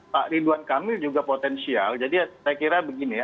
pak ridwan kamil juga potensial jadi saya kira begini ya